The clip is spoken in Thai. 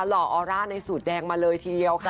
ห่อออร่าในสูตรแดงมาเลยทีเดียวค่ะ